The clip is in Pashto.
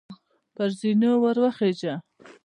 پر زینو وروخیژه !